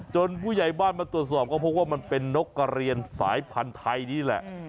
ผู้ใหญ่บ้านมาตรวจสอบก็พบว่ามันเป็นนกกระเรียนสายพันธุ์ไทยนี่แหละ